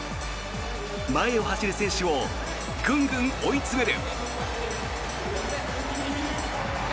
前を走る選手をグングン追い詰める。